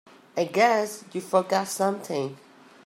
I guess you forgot something.